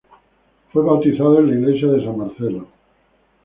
Fue bautizado en la Iglesia de San Marcelo.